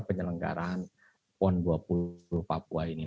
penyelenggaraan pon dua puluh papua ini